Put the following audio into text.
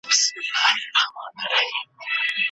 موږ په یوه نوې پروژه بوخت یو.